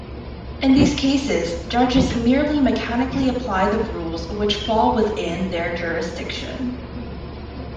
In these cases, judges merely mechanically apply the rules which fall within their jurisdiction.